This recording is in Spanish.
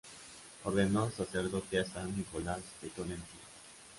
Ordenó sacerdote a San Nicolás de Tolentino.